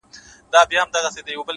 هغې ليونۍ بيا د غاړي هار مات کړی دی-